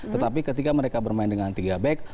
tetapi ketika mereka bermain dengan tiga back